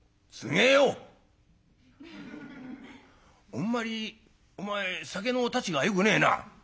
「あんまりお前酒のたちがよくねえな」。